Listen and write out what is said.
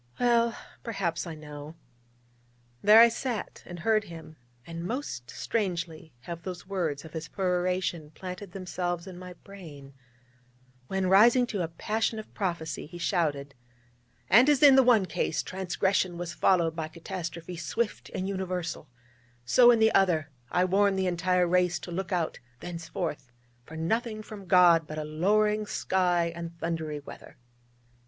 Well, perhaps I know. There I sat, and heard him: and most strangely have those words of his peroration planted themselves in my brain, when, rising to a passion of prophecy, he shouted: 'And as in the one case, transgression was followed by catastrophe swift and universal, so, in the other, I warn the entire race to look out thenceforth for nothing from God but a lowering sky, and thundery weather.'